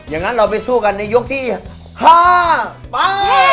อย่างนั้นเราไปสู้กันในยกที่๕ไป